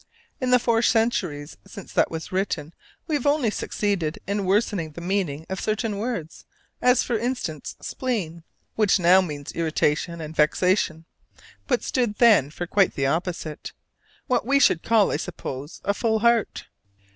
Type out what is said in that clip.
In the four centuries since that was written we have only succeeded in worsening the meaning of certain words, as for instance "spleen," which now means irritation and vexation, but stood then for quite the opposite what we should call, I suppose, "a full heart."